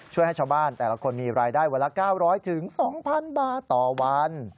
ช่วยให้ชาวบ้านแต่ละคนมีรายได้วันละ๙๐๐๒๐๐๐บาทต่อวัน